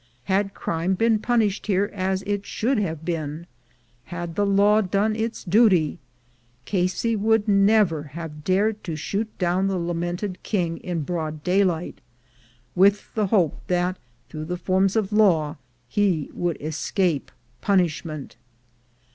Had crime been punished here as it should have been — had the law done its duty, Casey would never have dared to shoot down the lamented King in broad daylight, with the hope that through the forms of law he would escape punishment.